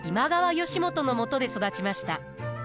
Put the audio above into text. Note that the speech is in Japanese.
義元のもとで育ちました。